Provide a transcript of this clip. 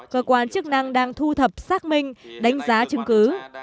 cơ quan chức năng đang thu thập xác minh đánh giá chứng cứ